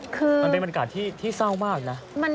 คือมันเป็นบรรยากาศที่เศร้ามากนะ